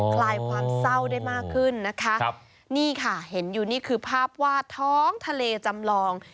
คลายความเศร้าได้มากขึ้นนะคะนี่ค่ะเห็นอยู่นี่คือภาพวาดท้องทะเลจำลอง